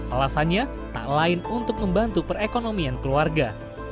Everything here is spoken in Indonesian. alasannya tak lain untuk membantu perekonomian keluarga